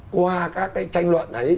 qua các cái tranh luận ấy